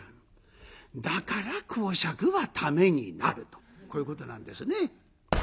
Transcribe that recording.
だから講釈はためになるとこういうことなんですね。